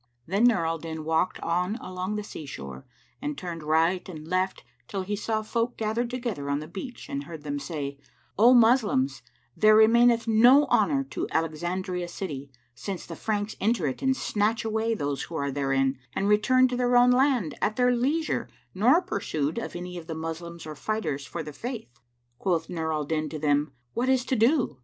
Then Nur al Din walked on along the sea shore and turned right and left, till he saw folk gathered together on the beach and heard them say, "O Moslems, there remaineth no honour to Alexandria city, since the Franks enter it and snatch away those who are therein and return to their own land, at their leisure[FN#548] nor pursued of any of the Moslems or fighters for the Faith!" Quoth Nur al Din to them, "What is to do?"